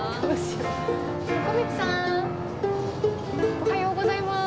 おはようございまーす。